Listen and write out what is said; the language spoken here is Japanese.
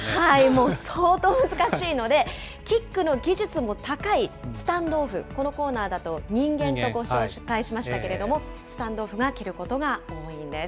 もう相当難しいので、キックの技術も高い、スタンドオフ、このコーナーだと人間とご紹介しましたけれども、スタンドオフが蹴ることが多いんです。